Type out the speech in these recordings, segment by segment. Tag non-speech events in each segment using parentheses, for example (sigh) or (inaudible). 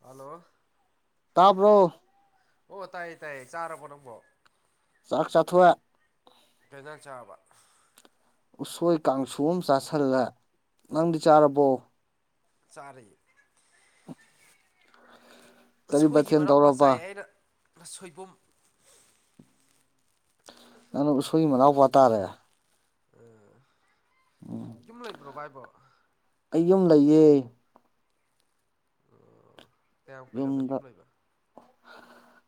hello ꯇꯥꯕ꯭ꯔꯣ ꯑꯣ ꯇꯥꯏꯌꯦ ꯇꯥꯏꯌꯦ ꯆꯥꯔꯕꯣ ꯅꯪꯕꯣ ꯆꯥꯛ ꯆꯥꯍꯣꯛ ꯑ kei ꯑꯦꯟꯁꯥꯡ ꯆꯔꯕꯥ ꯎꯁꯣꯏ ꯀꯥꯡꯁꯨ ꯑꯃ ꯆꯥꯥꯁꯜꯂꯦ ꯅꯪꯗꯤ ꯆꯥꯔꯕꯣ ꯆꯔꯦ ꯀꯔꯤ ꯎꯁꯣꯏꯒꯤ ꯃꯊꯦꯜ ꯃꯅꯥꯎꯄꯥ ꯇꯧꯔꯕ ꯆꯥꯏ ꯑꯩꯅ ꯁꯣꯏꯕꯨꯝ ꯅꯪꯅꯥ ꯎꯁꯣꯏꯒꯤ ꯃꯅꯥꯎꯄꯥ ꯇꯥꯔꯦ ꯎ ꯎꯝ ꯌꯨꯝ ꯂꯩꯕ꯭ꯔꯣ ꯚꯥꯏꯕꯣ ꯑꯩ ꯌꯨꯝ ꯂꯩꯌꯦ ꯑꯣ ꯀꯌꯥꯝ ꯀꯨꯏꯔꯕ ꯌꯨꯝꯗ ꯌꯨꯝ ꯂꯩꯕ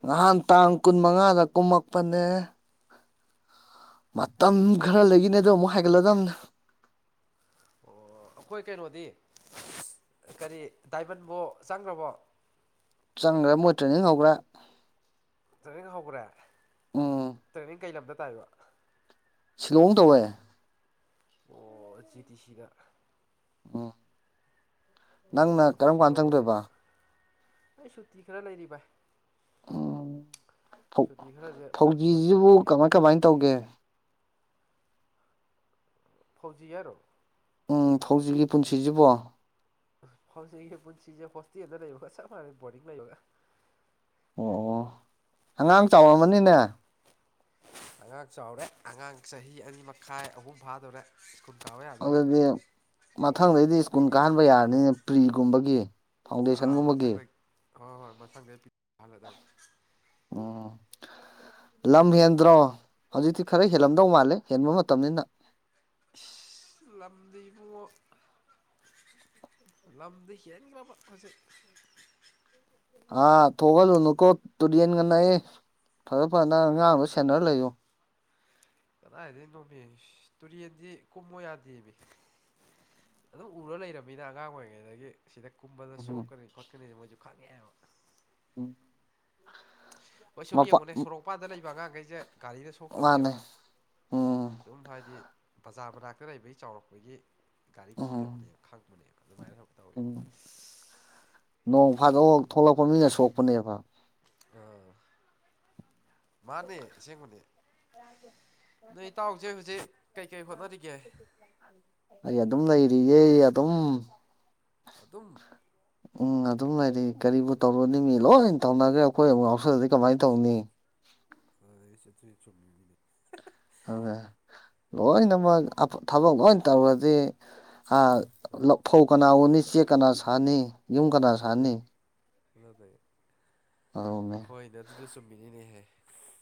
ꯅꯍꯥꯟ ꯇꯥꯡ ꯀꯨꯟ ꯃꯉꯥꯗ ꯀꯨꯝꯃꯛꯄꯅꯦ ꯃꯇꯝ ꯈꯔ ꯂꯩꯈꯤꯅꯦ ꯑꯗꯣ ꯑꯃꯨꯛ ꯍꯥꯏꯒꯠꯂꯗꯅꯦ ꯑꯣ ꯑꯩꯈꯣꯏ ꯀꯩꯅꯣꯗꯤ ꯀꯔꯤ ꯗꯥꯏꯃꯟꯕꯨ ꯆꯪꯈ꯭ꯔꯕꯣ ꯆꯪꯒꯔ꯭ꯦ ꯃꯣꯏ ꯇ꯭ꯔꯦꯅꯤꯡ ꯍꯧꯒꯔ꯭ꯦ ꯇ꯭ꯔꯦꯅꯤꯡ ꯍꯧꯈ꯭ꯔꯦ ꯇ꯭ꯔꯦꯅꯤꯡ ꯀꯩ ꯂꯝꯗ ꯇꯥꯏꯕ ꯁꯤꯂꯣꯡ ꯇꯧꯔꯦ ꯑꯣ ꯦ ꯇꯤ ꯁꯤꯗ ꯎꯝ ꯅꯪꯅ ꯑꯣ ꯀꯔꯝ ꯀꯥꯟꯗ ꯁꯤꯂꯣꯡꯗ ꯆꯪꯗꯣꯏꯕ ꯇꯧꯕ ꯑꯩ ꯁꯨꯇꯤ ꯈꯔ ꯂꯩꯔꯤꯕ ꯎꯝ ꯐꯧ ꯈꯔꯁꯦ ꯑꯝꯇ ꯐꯧꯖꯤꯁꯤꯕꯨ ꯂꯣꯏꯁꯤꯟꯈꯤꯒꯦ ꯀꯃꯥꯏ ꯀꯃꯥꯏꯅ ꯇꯧꯒꯦ ꯐꯧꯖꯤꯔꯣ ꯎꯝ ꯐꯧꯖꯤꯛꯒꯤ ꯄꯨꯟꯁꯤꯁꯤꯕꯣ ꯍꯧꯥꯎꯖꯤꯒꯤ ꯄꯨꯟꯁꯤꯁꯦ ꯍꯣꯁꯇꯤꯅ ꯂꯩꯕꯒ ꯆꯞ ꯃꯥꯟꯅꯩ ꯕꯣꯔꯗꯤꯡ ꯂꯩꯕꯒ ꯑꯣ ꯑꯉꯥꯡ ꯆꯥꯎꯔꯝꯃꯅꯤꯅꯦ ꯑꯉꯥꯡ ꯆꯥꯎꯔꯦ ꯑꯉꯥꯡ ꯆꯍꯤ ꯑꯅꯤ ꯃꯈꯥꯏ ꯑꯍꯨꯝ ꯐꯥꯗꯣꯔꯦ ꯑꯗꯨꯗꯤ ꯃꯊꯪꯗꯩꯗꯤ ꯁ꯭ꯀꯨꯜ ꯀꯥꯍꯟꯕ ꯌꯥꯔꯅꯤꯅꯦ ꯐ꯭ꯔꯤꯒꯨꯝꯕꯒꯤ ꯑꯥ ꯐꯥꯎꯟꯗꯦꯁꯟꯒꯨꯝꯕꯒꯤ ꯃꯊꯪꯗꯩ ꯍꯣꯏ ꯍꯣꯏ ꯃꯁꯪꯗꯩ ꯄꯤ ꯍꯜꯂꯗꯕ ꯎꯝ ꯂꯝ ꯍꯦꯟꯗ꯭ꯔꯣ ꯍꯧꯖꯤꯛꯇꯤ ꯈꯔ ꯍꯦꯜꯂꯝꯗꯧ ꯃꯥꯜꯂꯦ ꯍꯦꯟꯕ ꯃꯇꯝꯅꯤꯅ ꯂꯝꯕꯤꯕꯨ ꯂꯕꯗꯤ ꯀꯦ꯭ꯔ ꯄꯁꯦ ꯍꯥꯥ ꯊꯒ ꯂ ꯅꯀꯣ ꯇꯨꯔꯦꯜꯒꯥ ꯅꯛꯑꯦ ꯐꯖ ꯐꯖꯅ ꯑꯉꯥꯡꯗꯣ ꯁꯦꯟꯅꯔ ꯂꯩꯌꯨ ꯀꯗꯥꯏꯗ ꯅꯣꯃꯦ ꯇꯨꯔꯦꯟꯁꯤ ꯀꯨꯝꯃꯨ ꯌꯥꯗꯦꯅꯦ ꯑꯗꯨꯝ ꯎꯔ ꯂꯩꯔꯕꯅꯤꯅ ꯑꯉꯥꯡ ꯑꯣꯏꯔꯤꯉꯩꯗꯒꯤ ꯁꯤꯗ ꯀꯨꯝꯕꯗ ꯁꯣꯛꯀꯅꯤ ꯈꯣꯠꯀꯅꯤꯁ ꯃꯣꯏꯁꯨ ꯈꯪꯉꯦꯑꯕ ꯎꯝ ꯍꯣꯏ ꯁꯨꯝ ꯃꯄꯥ ꯌꯦꯡꯉꯣꯅꯦ ꯁꯣꯔꯣꯛꯄꯥꯟꯗ ꯂꯩꯕ ꯑꯉꯥꯡꯈꯩꯁꯦ ꯒꯥꯔꯤꯗ ꯁꯣꯛꯇꯕꯅꯤꯣ ꯃꯥꯅꯦ ꯎꯝ ꯁꯨꯝ ꯍꯥꯏꯗꯤ ꯕꯖꯥꯔ ꯃꯅꯥꯛꯇ ꯂꯩꯕꯒꯤ ꯆꯥꯎꯔꯛꯄꯒꯤ ꯒꯥꯔꯤ ꯎꯝ ꯀꯤꯗꯕꯅꯦꯕ ꯈꯪꯕꯅꯦꯕ ꯑꯗꯨꯃꯥꯏꯅ ꯇꯧꯋꯦꯕ ꯎꯝ ꯅꯣꯡ ꯐꯥꯗꯣꯛ ꯊꯣꯛꯂꯛꯄ ꯃꯤꯅ ꯁꯣꯛꯄꯅꯦꯕ ꯑ ꯃꯥꯅꯦ ꯑꯁꯦꯡꯕꯅꯦ ꯅꯣꯏ ꯏꯇꯥꯎꯁꯦ ꯍꯧꯖꯤꯛ ꯀꯩꯀꯩ ꯍꯣꯠꯅꯔꯤꯒꯦ ꯑꯩ ꯑꯗꯨꯝ ꯂꯩꯔꯤꯌꯦ ꯑꯗꯨꯝ ꯑꯗꯨ ꯑꯗꯨꯝ ꯎꯝ ꯑꯗꯨꯝ ꯂꯩꯔꯤ ꯀꯔꯤꯕꯨ ꯇꯧꯔꯨꯅꯤ ꯃꯤ ꯂꯣꯏ ꯇꯧꯅꯈ꯭ꯔꯦ ꯑꯩꯈꯣꯏ ꯑꯃꯨꯛ ꯌꯥꯥꯎꯁꯜꯂꯗꯤ ꯀꯃꯥꯏꯅ ꯇꯧꯅꯤ ꯑ ꯆꯠꯇ ꯆꯦ ꯑꯗꯨ ꯂꯣꯏꯅꯃꯛ ꯊꯕꯛ ꯂꯣꯏ ꯇꯧꯔꯗꯤ ꯐꯧ ꯀꯅꯥ ꯎꯅꯤ ꯆꯦꯛ ꯀꯅꯥ ꯁꯥꯅꯤ ꯌꯨꯝ ꯀꯅꯥ ꯁꯥꯅꯤ ꯑꯗꯨꯅꯦ ꯍꯣꯏꯅ ꯑꯗꯨꯁꯨ ꯆꯃꯤꯅꯤꯅꯦ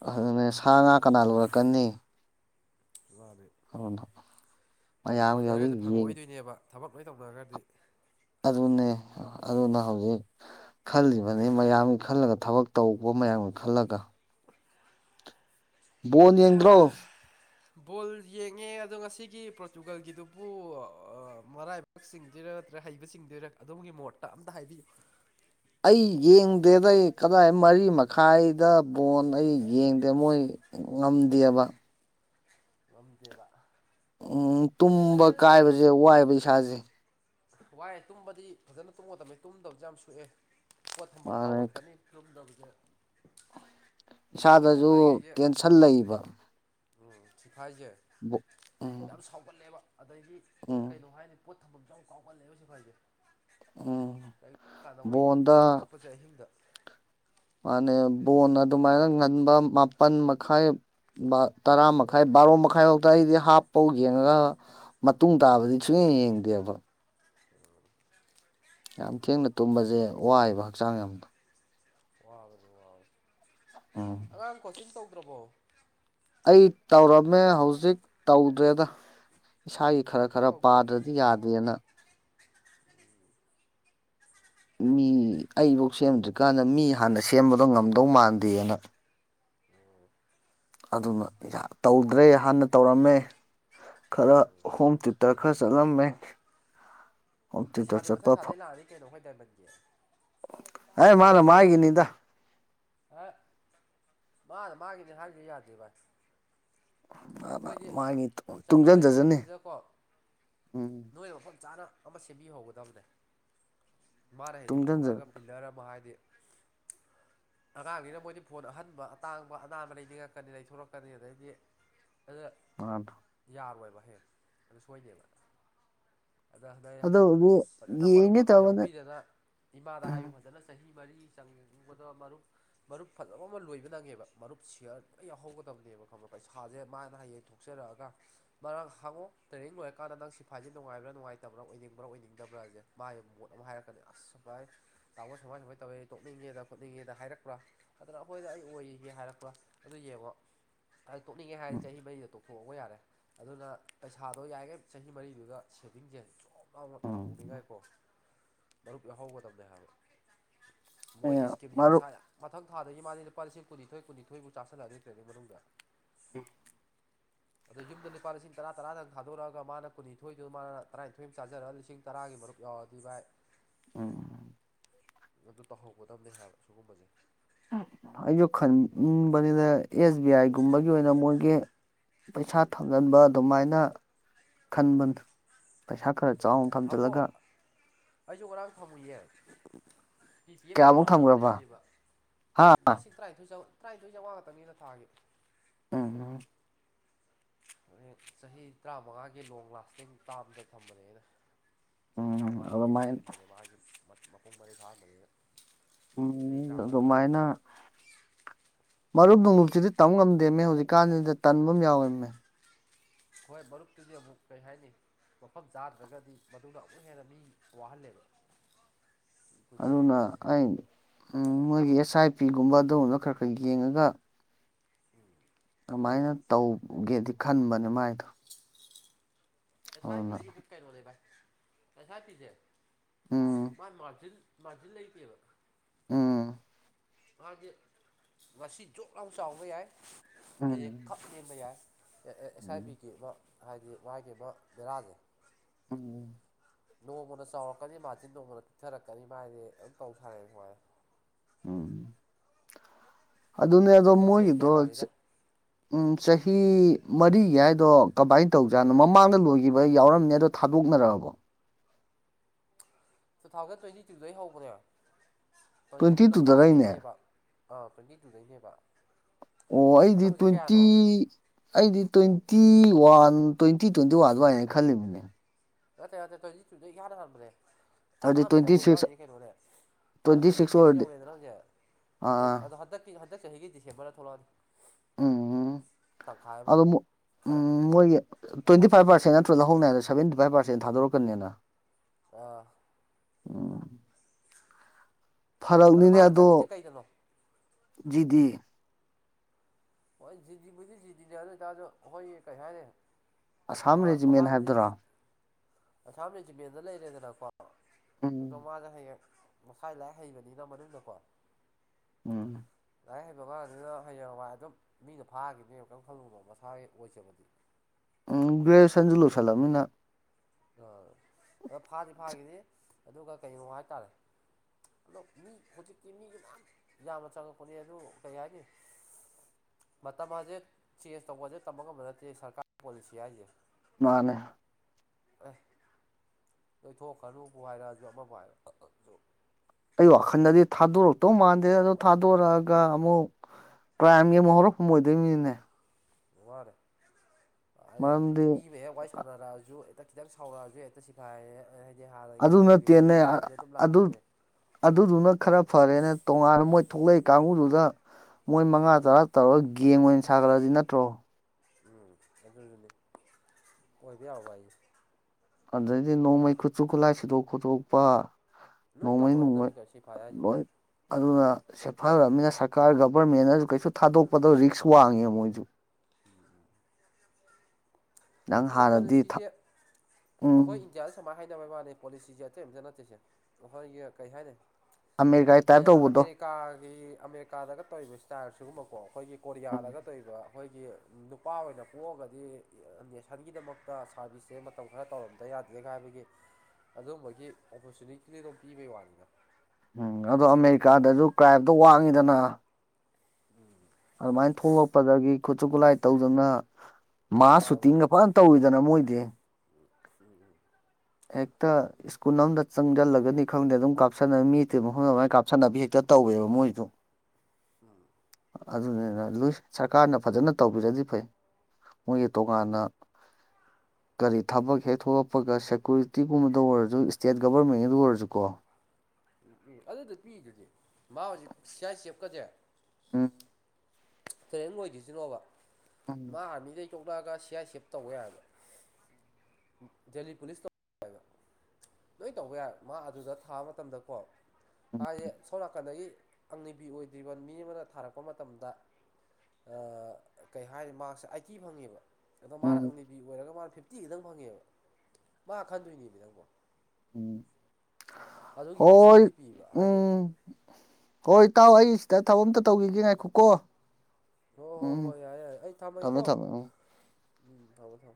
ꯑꯗꯨꯅꯦ ꯁꯥ ꯉꯥ ꯀꯅꯥ ꯂꯣꯏꯔꯛꯀꯅꯤ ꯃꯥꯅꯦ ꯑꯗꯨ ꯃꯌꯥꯝꯒꯤ ꯍꯧꯖꯤꯛ ꯕꯣꯏꯂꯔꯒꯁꯦ ꯌꯦꯡꯉꯤ ꯐꯪꯉꯛꯑꯣꯏꯗꯣꯏꯅꯦꯕ ꯊꯕꯛ ꯂꯣꯏ ꯇꯧꯅꯔꯒꯗꯤ ꯑꯗꯨꯅꯦ ꯑꯗꯨꯅ ꯍꯧꯖꯤꯛ ꯈꯜꯂꯤꯕꯅꯤ ꯃꯌꯥꯝꯒꯤ ꯈꯜꯂꯒ ꯊꯕꯛ ꯇꯧꯕ ꯃꯌꯥꯝꯅ ꯈꯜꯂꯒ ꯕꯣꯟ ꯌꯦꯡꯗ꯭ꯔꯣ ꯕꯣꯜ ꯌꯦꯡꯉꯦ ꯑꯗꯣ ꯉꯁꯤꯒꯤ ꯄꯣꯔꯇꯨꯒꯜꯒꯤꯗꯨꯕꯨ ꯃꯔꯥꯏꯕꯛꯁꯤꯡꯁꯤꯗ ꯈ ꯍꯩꯕꯁꯤꯡꯗꯨꯔ ꯑꯗꯣꯝꯒꯤ ꯃꯣꯠꯇ ꯑꯝꯇ ꯍꯥꯏꯕꯤꯌꯨ ꯑꯩ ꯌꯦꯡꯗꯦꯗ ꯀꯗꯥꯏ ꯃꯔꯤ ꯃꯈꯥꯏꯗ ꯕꯣꯟ ꯑꯩ ꯌꯦꯡꯗꯦ ꯃꯣꯏ ꯉꯝꯗꯦꯕ ꯋꯥꯝꯗꯦꯕ ꯎꯝ ꯇꯨꯝꯕ ꯀꯥꯏꯕꯁꯦ ꯋꯥꯏꯕ ꯏꯁꯥꯁꯦ ꯋꯥꯏ ꯇꯨꯝꯕꯗꯤ ꯐꯖꯅ ꯇꯨꯝꯒꯗꯕꯅꯤ ꯇꯨꯝꯗꯕꯁꯨ ꯌꯥꯝ ꯁꯣꯛꯑꯦ ꯄꯣꯠ ꯊꯝꯐꯝ ꯃꯥꯅꯦ ꯀꯥꯎꯔꯛꯀꯅꯤ ꯐꯤꯂꯝꯗ ꯍꯧꯁꯛ ꯏꯁꯥꯗꯁꯨ ꯇꯦꯟꯁꯟ ꯂꯩꯕ ꯎꯝ ꯁꯤꯈꯥꯏꯁꯦ ꯕꯣ- ꯎꯝ ꯌꯥꯝ ꯁꯥꯎꯒꯠꯂꯦꯕ ꯑꯗꯩꯗꯒꯤ ꯎꯝ ꯀꯩꯅꯣ ꯍꯥꯏꯅꯤ ꯄꯣꯠ ꯊꯝꯐꯝꯁꯨ ꯌꯥꯝ ꯀꯥꯎꯒꯠꯂꯦꯕꯁꯨ ꯐꯔꯁꯦ ꯎꯝ ꯀꯔꯤꯒꯣꯕ ꯀꯥꯟꯗ ꯑꯩꯈꯣꯏ ꯇꯨꯝꯕ ꯌꯥꯝ ꯕꯣꯟꯗ ꯋꯥꯠꯄꯁꯦ ꯑꯍꯤꯡꯗ ꯃꯥꯅꯦ ꯕꯣꯟ ꯑꯗꯨꯃꯥꯏꯅ ꯉꯟꯕ ꯃꯥꯄꯜ ꯃꯈꯥꯏ ꯇꯔꯥ ꯃꯈꯥꯏ ꯕꯥꯔꯣ ꯃꯈꯥꯏ ꯐꯥꯎꯗ ꯑꯩꯗꯤ ꯍꯥꯞꯄꯥꯎ ꯌꯦꯡꯉꯒ ꯃꯇꯨꯡ ꯇꯥꯕꯗꯤ ꯁꯨꯡ ꯌꯦꯡꯗꯤꯕ ꯌꯥꯝ ꯊꯦꯡꯅ ꯇꯨꯝꯕꯁꯦ ꯋꯥꯏꯕ ꯍꯛꯆꯥꯡ ꯌꯥꯝꯗꯣ ꯋꯥꯕꯅꯤ ꯋꯥꯅꯤ ꯎꯝ ꯑꯉꯥꯡ ꯀꯣꯆꯤꯡ ꯇꯧꯗ꯭ꯔꯕꯣ ꯑꯩ ꯇꯧꯔꯝꯃꯦ ꯍꯧꯖꯤꯛ ꯇꯧꯗ꯭ꯔꯦꯗ ꯏꯁꯥꯒꯤ ꯈꯔ ꯍꯧꯖꯤꯛ ꯈꯔ ꯇꯧꯗ꯭ꯔꯦ ꯄꯥꯗ꯭ꯔꯗꯤ ꯌꯥꯗꯦꯅ ꯃꯤ ꯑꯩꯐꯧ ꯁꯦꯝꯗ꯭ꯔꯤꯀꯥꯟꯗ ꯃꯤ ꯍꯥꯟꯅ ꯁꯦꯝꯕꯗꯣ ꯉꯝꯗꯧ ꯃꯥꯟꯗꯦꯅ ꯑꯗꯨꯅ ꯇꯧꯗ꯭ꯔꯦ ꯍꯥꯟꯅ ꯇꯧꯔꯝꯃꯦ ꯈꯔ ꯎꯝ ꯍꯣꯝ ꯇꯤꯇ ꯈꯔ ꯁꯂꯝꯂꯝ ꯃ ꯄꯩꯁꯥꯗꯤ ꯃꯊꯛ ꯀꯥꯗꯩ ꯂꯥꯛꯑꯅꯤ ꯀꯩꯅꯣ ꯍꯣꯏꯗꯏꯃꯟꯒꯦ ꯑꯦ ꯃꯥꯅꯦ ꯃꯥ ꯍꯥꯏꯒꯅꯤꯗ ꯍ ꯃꯥ ꯃꯥꯒꯤꯅꯤ ꯍꯥꯏꯔꯒꯤ ꯌꯥꯗꯕꯥꯥꯏ ꯃꯥꯒꯤ ꯇꯨꯡꯁꯤꯟꯖꯁꯤꯅꯤ ꯃꯔꯤꯒꯤꯁꯤꯗꯀꯣ ꯎꯝ ꯅꯣꯏꯅ ꯃꯐꯝ ꯆꯥꯅ ꯑꯃ ꯁꯦꯝꯕꯤꯍꯧꯒꯗꯕꯅꯦ ꯃꯥꯅ ꯍꯦꯛꯝ ꯇꯨꯡꯖꯟꯖ ꯊꯣꯛꯂꯛꯑꯒ ꯄꯤꯜꯂꯔ ꯑꯃ ꯍꯥꯏꯗꯤ (inaudible) ꯑꯉꯥꯡꯁꯤꯅ ꯃꯣꯏꯗꯤ ꯐꯣꯟ ꯑꯍꯟꯕ ꯑꯇꯥꯡꯕ ꯑꯅꯥꯟꯕ ꯂꯩꯅꯤꯡꯉꯛꯀꯅꯤ ꯂꯩꯊꯣꯔꯛꯀꯅꯤ ꯑꯗꯩꯗꯤ ꯑꯗ ꯑꯗ ꯌꯥꯔꯣꯏꯕ ꯍꯌꯦ ꯑꯗꯨ ꯁꯣꯏꯗꯦꯕ ꯑꯗ ꯍꯟꯗꯩ ꯑꯗꯨꯕꯨ ꯐꯖꯅ ꯃꯔꯨꯞ ꯌꯦꯡꯒꯦ ꯀꯀꯥ ꯇꯧꯕꯅꯦ ꯌꯥꯎꯕꯤꯗꯅ ꯏꯃꯥꯗ ꯍꯥꯏꯌꯨ ꯎꯝ ꯐꯖꯅ ꯆꯍꯤ ꯃꯔꯤ ꯆꯪꯉꯕꯗꯕ ꯃꯔꯨꯞ ꯃꯔꯨꯞ ꯐꯖꯕ ꯑꯃ ꯂꯣꯏꯕ ꯅꯪꯉꯦꯕ ꯃꯔꯨꯞ ꯁꯤꯒꯔ ꯂꯣꯏ ꯌꯥꯎꯍꯧꯒꯗꯕꯅꯦꯕ ꯄ ꯁꯖꯦ ꯃꯥꯅ ꯍꯌꯦꯡ ꯊꯣꯛꯆꯔꯛꯑꯒ ꯃꯔꯥꯡ ꯍꯪꯉꯛ ꯇ꯭ꯔꯦꯅꯤꯡ ꯂꯣꯏꯔꯀꯥꯟꯗ ꯅꯪ ꯁꯤꯐꯥꯏꯁꯦ ꯅꯨꯡꯉꯥꯏꯕ꯭ꯔꯥ ꯅꯨꯡꯉꯥꯏꯇꯕ꯭ꯔꯥ ꯑꯣꯏꯗ ꯃꯔ ꯑꯣꯏꯅꯤꯡꯗꯕ꯭ꯔꯥꯦ ꯃꯥꯒꯤ ꯃꯣꯠ ꯑꯃ ꯍꯥꯏꯔꯛꯀꯗꯤ ꯑꯁ ꯁꯨꯥꯏ ꯇꯥꯕ ꯁꯨꯃꯥꯏ ꯁꯨꯃꯥꯏꯅ ꯇꯧꯋꯦ ꯇꯣꯛꯅꯤꯡꯉꯦꯗꯅꯤꯡ ꯍꯥꯏꯔꯛꯄ꯭ꯔ ꯑꯗꯨꯅ ꯑꯩꯈꯣꯏ ꯑꯩ ꯑꯣꯏꯒꯦ ꯍꯥꯏꯔꯛꯄ ꯑꯗꯨ ꯌꯦꯡꯉꯣꯅꯤꯡꯉꯦ ꯍꯥꯏ ꯆꯍꯤ ꯃꯔꯤꯗ ꯇꯣꯛꯊꯣꯛꯑꯒ ꯌꯥꯔꯦ ꯑꯗꯨꯅ ꯄꯩꯁꯥꯗꯣ ꯌꯥꯏꯈꯩ ꯆꯍꯤ ꯃꯔꯤꯗꯨꯒ ꯁꯦꯚꯤꯡꯁꯦ ꯆꯥꯎ ꯂ ꯆꯥꯎꯅ ꯎꯝ ꯇꯧꯍꯧꯅꯤꯡꯉꯥꯏꯀꯣ ꯃꯔꯨꯞ ꯌꯥꯎꯍꯧꯒꯗꯕꯅꯦ ꯍꯥꯏꯕ ꯃꯣꯏ ꯑꯩꯅ ꯏꯁꯀꯤꯦ ꯃꯔꯨꯞ ꯄꯁꯥ ꯃꯊꯪ ꯊꯥꯗꯒꯤ ꯃꯥꯅꯤ ꯂꯨꯄꯥ ꯂꯤꯁꯤꯡ ꯀꯨꯟꯅꯤꯊꯣꯏ ꯀꯨꯟꯅꯤꯊꯣꯏꯕꯨ ꯆꯥꯁꯤꯟꯅ ꯂꯩꯇ꯭ꯔꯦꯒꯤ ꯃꯅꯨꯡꯗ ꯑꯗꯨꯗꯣ ꯌꯨꯝꯗ ꯂꯨꯄꯥ ꯂꯤꯁꯤꯡ ꯇꯔꯥ ꯇꯔꯥꯗꯪ ꯊꯥꯗꯣꯔꯛꯑꯒ ꯃꯥꯅ ꯀꯨꯟꯅꯤꯊꯣꯏꯗꯨ ꯃꯥꯅ ꯇꯔꯥꯅꯤꯊꯣꯏ ꯑꯃ ꯆꯥꯖꯔꯒ ꯂꯤꯁꯤꯡ ꯇꯔꯥꯒꯤ ꯃꯔꯨꯞ ꯌꯥꯎꯑꯗꯤ ꯚꯏ ꯎꯝ ꯑꯗꯨ ꯇꯧꯍꯧꯒꯗꯕꯅꯤ ꯍꯥꯏꯕ ꯁꯤꯨꯒꯨꯝꯕꯁꯦ ꯑꯩꯁꯨ ꯈꯟꯕꯅꯤꯅ ꯑꯦꯁ ꯕꯤ ꯑꯥꯏꯒꯨꯝꯕꯒꯤ ꯑꯣꯏꯅ ꯃꯣꯏꯒꯤ ꯄꯩꯁꯥ ꯊꯝꯖꯤꯟꯕ ꯑꯗꯨꯃꯥꯏꯅ ꯎꯝ ꯈꯟꯕꯟ ꯄꯩꯁꯥ ꯈꯔ ꯆꯥꯎꯅ ꯊꯝꯃꯣ ꯊꯝꯖꯤꯜꯂꯒ ꯑꯩꯁꯨ ꯉꯔꯥꯡ ꯐꯝꯃꯨꯌꯦꯦ ꯄꯤ ꯄꯤ ꯑꯦꯐ ꯀꯌꯥꯃꯨꯛ ꯑꯦꯀꯥꯎꯟ ꯑꯃ ꯊꯝꯈ꯭ꯔꯕ ꯂꯩꯕꯤꯅꯦꯕ ꯍꯥ ꯂꯤꯁꯤꯡ ꯇꯔꯥꯅꯤꯊꯣꯏ ꯆꯥ ꯇꯔꯥꯗꯣꯏ ꯌꯥꯝ ꯋꯥꯒꯛꯇꯕꯅꯤꯅ ꯊꯥꯒ ꯑꯝ ꯆꯍꯤ ꯇꯔꯥꯃꯉꯥꯒꯤ ꯂꯣꯡ ꯂꯥꯁꯇꯤꯡ ꯇꯥꯕꯗ ꯊꯝꯕꯅꯦ ꯑꯩꯅ ꯆꯍꯤ ꯀꯥ ꯎꯝ ꯃꯥꯅ ꯃꯦꯛꯁ ꯑꯗꯨꯃꯥꯏꯅ ꯑꯣꯏꯍꯟꯕꯅꯦ ꯃꯥꯒꯤ ꯃꯄꯨꯝ ꯃꯔꯩ ꯐꯥꯡꯕꯅꯦꯕ ꯎ ꯑꯗꯨꯃꯥꯏꯅ ꯃꯔꯨꯞ ꯁꯤꯗꯤ ꯇꯝ ꯉꯝꯗꯦꯃꯦ ꯍꯧꯖꯤꯛꯀꯥꯟꯁꯤꯗ ꯇꯟꯕ ꯑꯃ ꯌꯥꯎꯋꯝꯃꯦ ꯍꯣꯏ ꯃꯔꯨꯞꯇꯨꯗꯤ ꯑꯃꯨꯛ ꯀꯔꯤ ꯍꯥꯏꯅꯤ ꯃꯐꯝ ꯆꯥꯗ꯭ꯔꯒꯗꯤ ꯃꯗꯨꯗ ꯑꯃꯨꯛ ꯍꯦꯟꯅ ꯃꯤ ꯋꯥꯍꯜꯂꯦꯕ (inaudible) ꯄꯨꯟꯁꯤ ꯑꯗꯨꯔꯅ ꯑꯃꯁꯦ ꯑꯗꯤ ꯎꯝ ꯃꯣꯏꯒꯤ ꯑꯦꯁ ꯑꯥꯏ ꯄꯤꯒꯨꯝꯕ ꯑꯗꯨꯒꯨꯝꯕ ꯈꯔ ꯈꯔ ꯌꯦꯡꯉꯒ ꯀꯃꯥꯏꯅ ꯇꯧꯒꯦꯗꯤ ꯈꯟꯕꯅꯦ ꯃꯥꯏꯗꯣ ꯑꯦꯁ ꯑꯥꯏ ꯑꯗꯨꯅ ꯄꯤꯖ‌ꯦ ꯕꯨꯛ ꯀꯩꯅꯣꯅꯦ ꯚꯥꯏ ꯑꯦꯁ ꯑꯥꯏ ꯄꯤꯖ‌ꯦ ꯎꯝ ꯃꯥꯏ ꯃꯥꯔꯖꯤꯟ ꯃꯔꯖꯤꯟ ꯂꯩꯇꯦꯕ ꯎꯝ ꯃꯥꯒꯤ ꯉꯁꯤ ꯖꯣꯛ ꯂꯥꯎꯅ ꯆꯥꯎꯕ ꯌꯥꯏ ꯍꯌꯦꯡ ꯎꯝ ꯈꯞ ꯅ‌ꯦꯝꯕ ꯌꯥꯏ ꯑ‌ꯦ ꯑ‌‌ꯦ ꯑꯦꯁ ꯑꯥꯏ ꯄꯤꯒꯤꯕꫭ ꯍꯥꯏꯗꯤ ꯃꯥꯒꯤ ꯃ ꯕꯦꯔꯥꯁꯦ ꯎꯝ ꯅꯣꯡꯃꯅ ꯆꯥꯎꯔꯛꯀꯅꯤ ꯃꯥꯖꯤꯟ ꯅꯣꯡꯃꯗ ꯄꯤꯛꯊꯔꯛꯀꯅꯤ ꯃꯥꯥꯏꯗꯤ ꯑꯗꯨꯝ ꯇꯧ ꯁꯥꯔꯌ‌ꯦ ꯁꯨꯃꯥꯏ ꯎꯝ ꯑꯗꯨꯅ‌ꯦ ꯑꯗꫭ ꯐꯤꯛꯁ ꯂꯩꯇꯦ ꯃꫭꯏꯒꯤꯗꯣ ꯍꯥꯏꯕ ꯋꯥꯅꯤꯗ ꯆꯠ ꯎꯝ ꯆꯍꯤ ꯃꯔꯤ ꯍꯥꯏꯗꯣ ꯀꯃꯥꯏ ꯇꯧꯖꯥꯠꯅꯣ ꯑꯥ ꯃꯃꯥꯡꯗ ꯂꯣꯏꯒꯤꯕ ꯌꯥꯎꯔꯝ ꯗꯨꯅ‌ꯦ ꯑꯗꯣ ꯊꯗꫭꯛ ꯅꯔꯥꯑꯕꫭ ꯇꯨꯊꯥꯎꯖꯟ ꯇ꯭ꯋꯦꯟꯇꯤ ꯇꯨꯗꯩ ꯍꯧꯕꯅ‌ꯦ ꯇ꯭ꯋꯦꯟꯇꯤ ꯇꯨꯅ ꯐꯥꯥꯁ ꯕꯦꯁꯅꯦꯕ ꯑꯥ ꯇ꯭ꯋꯦꯟꯇꯤ ꯇꯨꯗ‌ꯩꯅꯦꯕ ꯑꯣ ꯑꯩꯗꯤ ꯇ꯭ꯋꯦꯟꯇꯤ ꯑꯩꯗꯤ ꯇ꯭ꯋꯦꯟ twenty one twenty twenty one ꯑꯗꯨꯋꯥꯥꯏꯅ ꯈꯜꯂꯤꯃꯤꯅꯦ ꯅꯠꯇ‌ꯦ ꯅꯠꯇ‌ꯦ ꯇ꯭ꯋ‌ꯦꯟꯇꯤ ꯇꯨꯖꯤꯅ ꯏꯍꯥꯟ ꯍꯥꯟꯕꯅ‌ꯦ ꯑꯗꯨꯗꯤ ꯑꯍꯥꯟꯕꯖ‌ꯦ ꯇ꯭ꯋꯦꯟꯇꯤ ꯑꯩꯈꯣꯏ ꯁꯤꯛꯁ ꯌꯥꯎꯔꯤꯅꯤ ꯀꯩꯅꯣꯅꯦ ꯑꯗꯣ ꯇ꯭ꯋꯦꯟꯇꯤ ꯁꯤꯛꯁ ꯌꯧꯔꯦꯗꯅ ꯍꯧꯖꯤꯛ ꯑꯏ ꯑꯥ ꯑꯗꫭ ꯍꯇꯛꯀꯤ ꯍꯇꯛ ꯆꯍꯤꯒꯤ ꯗꯤꯁꯦꯝꯕꯔ ꯊꯣꯛꯂꯑꯤ ꯎꯝ ꯎꯝ ꯑꯃ ꯑꯗꯨ ꯈꯔ ꯎꯝ ꯃꯣꯏꯒꯤ ꯇ꯭ꯋꯦꯟꯇꯤ ꯄꯔꯁꯦꯟ ꯅꯠꯇ꯭ꯔꫭ ꯂꯧꯍꯧꯅ‌‌ꯦ‌ ꯍꯥꯏꫪ‌ꯦ ꯁꯕꯦꯟꯇꯤ ꯐꯥꯏꯄꯔꯁꯦꯟ ꯊꯥꯗꯣꯔꯛꯀꯅ‌ꯦꯅ ꯑꯥ ꯎꯝ ꯐꯔꯛꯅꯤꯅꯦ ꯃꯥꯅ ꯑꯗꯣ ꯆꯪꯉꯤꯁꯦ ꯀꯩꯗꯅꯣ ꯖꯤꯗꯤ ꯍꯣꯏ ꯖꯤꯗꯤꯕꯨꯗꯤ ꯖꯤꯗꯤꯅꯦ ꯑꯨꯏ ꯑꯣꯏꯇꯥꯔꯖꯨ ꯍꫭꯏ ꯀꯩꯍꯥꯏꯅꯤ ꯑꯁꯥꯝ ꯔꯦꯖꯤꯃꯦꯟ ꯍꯥꯏꯕꯗꯨꯔꫭ ꯑꯁꯥꯝꯕꯦꯖꯤꯃ‌ꯦꯟꯗ ꯂꯩꯔꯦꯗꯅꯀꯣ ꯑꯗꯣ ꯎꯝ ꯃꯥꯒ ꯍꯌꯦꯡ ꯃꯁꯥꯏ ꯂꯥꯏꯔꯤꯛ ꯍꯩꯕꯅꯤꯅ ꯃꯅꯨꯡꯗꯀꯣ ꯎꯝ ꯂꯥꯏꯔꯤꯛ ꯍꯩꯕ ꯑꯉꯥꯡꯅꯤꯅ ꯍꯌꯦꯡꯋꯥꯏ ꯑꯗꯨꯝ ꯃꯤꯅ ꯐꯥꯒꯤꯅ‌ꯦꯛꯕ ꯀꯝ ꯈꯜꯂꯨꯅꫭ ꯃꯁꯥꯒꯤ ꯑꯣꯏꯖꯕꯗꯤ ꯎꯝ ꯒ꯭ꯔꯦꯖꯨꯌꯦꯁꯟꯁꯨ ꯂꯣꯏꯁꯜꯂꯃꯤꯅ ꯑ ꯑꯗꯣ ꯐꯥꯗꯤ ꯐꯥꯒꯤꯅꯤ ꯑꯗꯨꯒ ꯀꯩꯅꯣ ꯍꯥꯏꯇꯥꯔꯦ ꯑꯗꯣ ꯃꯤ ꯍꯧꯖꯤꯛꯇꯤ ꯃꯤꯒꯤ ꯃꯌꯥꯝ ꯃꯌꯥꯝꯅ ꯆꯪꯉꯛꯄꯅꯦ ꯑꯗꯨ ꯀꯩ ꯍꯥꯏꯅꯤ ꯃꯇꯝ ꯍꯥꯏꯖ‌ꯦ ꯆꯦꯖ ꯇꯧꯕꯖ‌ꯦ ꯇꯝꯕ ꯉꯝꯕ ꯅꯠꯇꯦ ꯁꯔꯀꯥꯔ ꯄꯣꯂꯤꯁꯤ ꯍꯥꯏꯁꯦ ꯃꯥꯅꯦ ꯑꯦ ꯅꫭꯏꯊꯣꯛ ꯀꯔꯅꯨꯕꯨ ꯍꯥꯏꯔꯛꯑꯖꯨ ꯑꯃꯕꯨ ꯍꯥꯏꯔꯖꯨ ꯑꯩ ꯋꯥꯈꯜꯗꯗꯤ ꯊꯥꯗꯣꯔꯛꯇꯧ ꯃꯥꯟꯗꯦ ꯑꯗꯣ ꯊꯥꯗꯣꯔꯛꯑꯒ ꯑꯃꯨꯛ ꯀ꯭ꯔꯥꯏꯝꯒꯤ ꯑꯃꯨꯛ ꯍꯧꯔꯛꯐꯝ ꯑꯣꯏꯗꯣꯏꯅꯤꯅꯦ ꯋꯥꫪ‌ꯦ ꯍꯥꯏꯗꯤ ꯃꯔꯝꯗꯤ ꯃꯤꯃ ꯍꯦꯛ ꯋꯥꯏ ꯁꯥꯟꯅꯔꯛ ꯑꯖꯨ ꯍ‌ꯦꯛꯇ ꯈꯤꯇꯪ ꯁꯥꯎꯔꯛꯑꯖꯨ ꯍꯦꯛꯇ ꯁꯤꯐꯥꯏꯌ‌ꯦ ꯑꯗꯨ ꯅꯠꯇꯦꯅꯦ ꯑꯗꯨ ꯂꯥꯛꯇꯣꯏꯅꯦ ꯑꯗꯨꯗꯨꯅ ꯈꯔ ꯐꯔꯦꯅꯦ ꯇꯣꯉꯥꯟꯅ ꯃꯣꯏ ꯊꯣꯛꯂꯛꯏ ꯀꯥꯡꯕꯨꯗꯨꯗ ꯃꯣꯏ ꯃꯉꯥ ꯇꯔꯥ ꯇꯧꯔꯒ ꯒꯦꯡ ꯑꯣꯏꯅ ꯁꯥꯒꯠꯂꯗꯤ ꯅꯠꯇ꯭ꯔꯣ ꯎꯝ ꯑꯗꯨꯖꯨꯅꯤ ꯑꯣꯏꯕ ꯌꯥꯕ ꯋꯥꯏꯅꯤ ꯑꯗꯩꯗꯤ ꯅꯣꯡꯃꯩ ꯈꯨꯠꯁꯨ ꯈꯨꯠꯂꯥꯏ ꯁꯤꯗꯣꯛ ꯈꯣꯠꯇꯣꯛꯄ ꯂꯣꯏ ꯅꯣꯡꯃꯩ ꯅꯣꯡꯃꯩ ꯇꯝꯃꯛꯑꯗꯕꯅꯤ ꯀꯩꯅꯣ ꯁꯤ ꯐꯥꯏ ꯍꯥꯏꯁꯤꯗꯤ ꯂꯣꯏ ꯑꯗꯨꯅ ꯁꯦꯐ꯭ꯔ ꫪꯥꯃꯤꯅ ꯁꯔꯀꯥꯔ ꯒꯕꯔꯃꯦꯟꯅꯁꯨ ꯀꯩꯁꯨ ꯊꯥꯗꯣꯛꯄꯗꯣ ꯔꯤꯛꯁ ꯋꯥꯡꯉꯦ ꯃꯣꯏꯁꯨ ꯅꯪ ꯑꯗꯨ ꯍꯥꯟꯅꯗꯤ ꯄꯣꯂꯤꯁꯤꯁꯦ ꯊ- ꯎꯝ ꯑꯩꯈꯣꯏ ꯏꯟꯗꯤꯌꯥꯗ ꯁꯨꯃꯥꯏꯅ ꯍꯥꯏ ꯍꯥꯏꯅꯕꯩ ꯋꯥꯅꯤ ꯄꯣꯂꯤꯁꯤꯁꯦ ꯑꯇꯩ ꯑꯝꯇ ꯅꯠꯇꯦꯁꯦ ꯑꯩꯈꯣꯏꯒꯤ ꯀꯩ ꯍꯥꯏꯅꯤ ꯑꯃꯦꯔꯤꯀꯥꯒꯤ ꯑꯦ ꯇꯥꯏꯞ ꯇꯧꯕꯗꯣ ꯑꯃꯦꯔꯤꯀꯥꯒꯤ ꯑꯃꯦꯔꯤꯀꯥꯗꯒ ꯇꯧꯔꯤꯕ ꯏꯁꯇꯥꯏꯜ ꯁꯤꯒꯨꯝꯕꯀꯣ ꯑꯩꯈꯣꯏꯒꯤ ꯎꯝ ꯀꯣꯔꯤꯌꯥꯗꯒ ꯇꯧꫪꯤꯕ ꯑꯩꯈꯣꯏꯒꯤ ꯅꯨꯄꯥ ꯑꯣꯏꯅ ꯄꯣꯛꯑꯒꯗꯤ ꯅ‌ꯦꯁ ꯏꯁꯟꯒꯤꯗꯃꯛꯇ ꯁꯥꯔꯚꯤꯁꯁꯦ ꯃꯇꯝ ꯈꯔ ꯇꯧꯔꯝꯗ ꯌꯥꯗꯦꯅ ꯍꯥꯏꯕꯒꯤ ꯑꯗꯨꯝꯕꯒꯤ ꯑꯣꯄꯣꯔꯆꯨꯅꯤꯇꯤꯗꯨ ꯑꯗꯨꯝ ꯄꯤꯕꯩ ꯋꯥꯅꯤꯅ ꯎꯝ ꯑꯗꯣ ꯑꯃꯦꯔꯤꯀꯥꯗꯁꯨ ꯀ꯭ꯔꯥꯏꯝꯇꯣ ꯋꯥꯡꯉꯤꯗꯅ ꯎꯝ ꯑꯗꯨꯃꯥꯏꯅ ꯊꯣꯂꯛꯄꯗꯒꯤ ꯈꯨꯠꯁꯨ ꯈꯨꯠꯂꯥꯏ ꯇꯧꯗꯅ ꯃꯥ ꯁꯨꯇꯤꯡꯒ ꯐꯖꯅ ꯇꯧꯋꯤꯗꯅ ꯃꯣꯏꯗꯤ ꯍꯦꯛ ꯍꯦꯛꯇ ꯁ꯭ꯀꯨꯜ ꯑꯃꯝꯗ ꯆꯪꯁꯤꯜꯂꯒꯅꯤ ꯈꯪꯗꯦ ꯑꯗꯨꯝ ꯀꯥꯞꯁꯟꯅ ꯃꯤꯠꯇꯦ ꯃꯐꯝ ꯑꯗꯨꯃꯥꯏꯅ ꯀꯥꯞꯁꯟꯅꯕꯤ ꯍꯦꯛꯇ ꯇꯧꯋꯦꯕ ꯃꯣꯏꯁꯨ (inaudible) ꯎꯝ ꯑꯗꯨꯅꯤꯅ ꯂꯏ ꯁꯔꯀꯥꯔꯅ ꯐꯖꯅ ꯇꯧꯕꯤꯔꯗꯤ ꯐꯩ ꯃꯣꯏꯒꯤ ꯇꯣꯉꯥꯟꯅ ꯀꯔꯤ ꯊꯕꯛ ꯍꯦꯛ ꯊꯣꯛꯂꯛꯄꯒ ꯁꯦꯀꯨꯔꯤꯇꯤꯒꯨꯝꯕꯗ ꯑꯣꯏꯔꯁꯨ ꯏꯁꯇꯦꯠ ꯒꯕꯔꯃꯦꯟꯒꯤꯗ ꯑꯣꯏꯔꯁꯨꯀꯣ (inaudible) ꯎꯝ ꯎꯝ ꯑꯗꯨꯗ ꯄꯤꯗꯨꯗꯤ ꯃꯥ ꯍꯧꯖꯤꯛ ꯁꯤꯌꯥꯥꯏ ꯆꯦꯞꯀꯁꯦ ꯑ ꯍꯣꯔꯦꯟ ꯂꯣꯏꯗꯣꯏꯁꯤꯅꯣꯕ ꯎꯝ ꯃꯥ ꯑꯥꯔꯃꯤꯗꯩ ꯇꯣꯛꯂꯛꯑꯒ ꯁꯤ ꯑꯥꯏ ꯁꯤꯦꯞ ꯇꯧꯕ ꯌꯥꯏꯕ ꯗꯦꯜꯂꯤ ꯄꯨꯂꯤꯁ ꯇ ꯂꯣꯏ ꯇꯧꯕ ꯌꯥꯏ ꯃꯥ ꯑꯗꯨꯗ ꯊꯥꯕ ꯃꯇꯝꯗꯀꯣ ꯍꯥꯏꯁꯦ ꯁꯣꯝ ꯅꯥꯀꯟꯗꯒꯤ ꯑꯪꯅꯕꯤ ꯑꯣꯏꯗ꯭ꯔꯤꯕ ꯃꯤ ꯑꯃꯅ ꯊꯥꯔꯛꯄ ꯃꯇꯝꯗ ꯀꯩ ꯍꯥꯏꯔꯦ ꯃꯥꯔꯛꯁ ꯑꯥꯏꯠꯇꯤ ꯐꯪꯉꯦꯕ ꯑꯗꯣ ꯎꯝ ꯃꯥꯅ ꯎꯝ ꯑꯪꯅꯦꯕꯤ ꯑꯣꯏꯔꯒ ꯃꯥꯅ ꯐꯤꯞꯇꯤ ꯈꯤꯇꯪ ꯐꯪꯉꯦꯕ ꯃꯥ ꯈꯟꯗꯣꯏꯅꯦꯕ ꯅꯪꯀꯣ ꯍꯣꯏ ꯐꯦꯁꯤꯂꯤꯇꯤ ꯄꯤꯕ ꯍꯥꯏꯗꯤ ꯎꯝ ꯍꯣꯏ ꯏꯇꯥꯎ ꯑꯩ ꯁꯤꯗ ꯊꯕꯛ ꯑꯃꯝꯇ ꯇꯧꯈꯤꯒꯦ ꯉꯥꯏꯈꯣꯀꯣ ꯍꯣꯏ ꯍꯣꯏ ꯎꯝ ꯍꯣꯏ ꯌꯥꯔꯦ ꯌꯥꯔꯦ ꯑꯩ ꯊꯃꯦ ꯊꯝꯃꯒꯦꯀꯣ ꯊꯃꯦ ꯑ ꯎꯝ ꯊꯕ ꯊꯝ